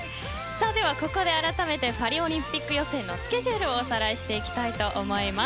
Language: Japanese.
ではここで改めてパリオリンピック予選のスケジュールをおさらいしていきたいと思います。